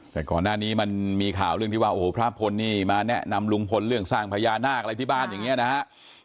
แต่ก่อนหน้านี้มันมีข่าวเรื่องที่ว่าโอ้โหพระพลนี่มาแนะนำลุงพลเรื่องสร้างพญานาคอะไรที่บ้านอย่างนี้นะฮะ